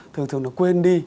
thường thường là quên đi